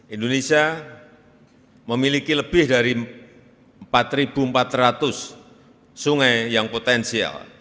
indonesia memiliki lebih dari empat empat ratus sungai yang potensial